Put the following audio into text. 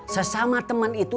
sesama temen itu